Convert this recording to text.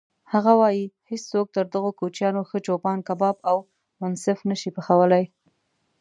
هغه وایي: هیڅوک تر دغو کوچیانو ښه چوپان کباب او منسف نه شي پخولی.